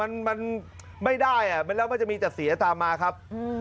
เพราะว่าคุณผู้ชายอ่ะมันแล้วมันจะมีจัดเสียตามมาครับ